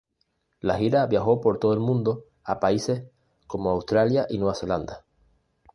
La gira viajó por todo el mundo a países como Australia y Nueva Zelanda.